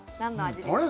あれ？